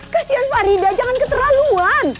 kasian farida jangan keterlaluan